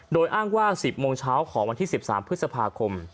โดยอ้างว่า๑๐โมงเช้าของวันที่๑๓พฤษภาคม